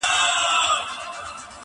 زه چوپړ کي د ساقي پر خمخانه سوم-